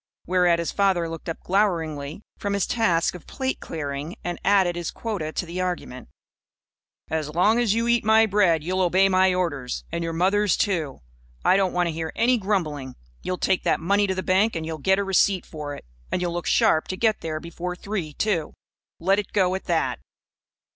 Whereat his father looked up gloweringy; from his task of plate clearing, and added his quota to the argument: "As long as you eat my bread, you'll obey my orders, and your mother's, too. I don't want to hear any grumbling. You'll take that money to the bank, and you'll get a receipt for it. And you'll look sharp to get there before three, too. Let it go at that!"